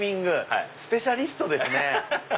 スペシャリストですね！